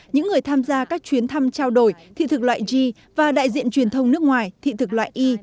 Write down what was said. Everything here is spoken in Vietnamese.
những người tham gia các chuyến thăm trao đổi thị thực loại g và đại diện truyền thông nước ngoài thị thực loại y